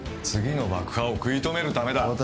次の爆破を食い止めるためだ